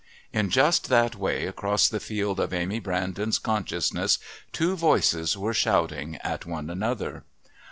In just that way across the field of Amy Brandon's consciousness two voices were shouting at one another.